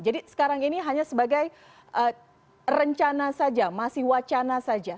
jadi sekarang ini hanya sebagai rencana saja masih wacana saja